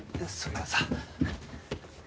それがさ。